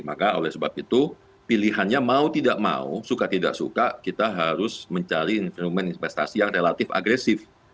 maka oleh sebab itu pilihannya mau tidak mau suka tidak suka kita harus mencari instrumen investasi yang relatif agresif